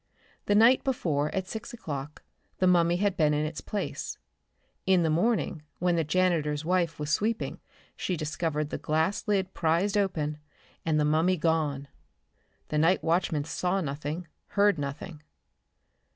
The night before at 6 o'clock the mummy had been in its place. In the morning when the janitor's wife was sweeping she discovered the glass lid prized open and the mummy gone. The night watchman saw nothing, heard nothing.